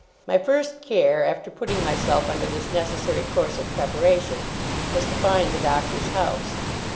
My first care, after putting myself under this necessary course of preparation, was to find the Doctor's house.